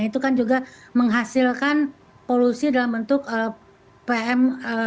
itu kan juga menghasilkan polusi dalam bentuk pm dua